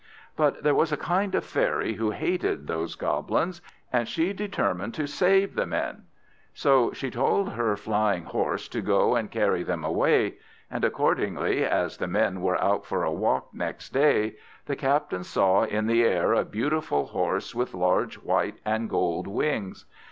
But there was a kind fairy who hated those Goblins; and she determined to save the men. So she told her flying horse to go and carry them away. And accordingly, as the men were out for a walk next day, the captain saw in the air a beautiful horse with large white and gold wings.